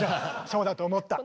そうだと思った。